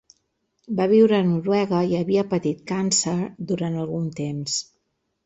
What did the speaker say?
Va viure a Noruega i havia patit càncer durant algun temps.